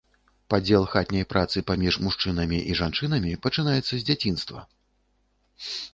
Падзел хатняй працы паміж мужчынамі і жанчынамі пачынаецца з дзяцінства.